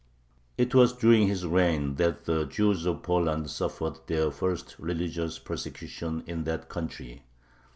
It was during his reign that the Jews of Poland suffered their first religious persecution in that country.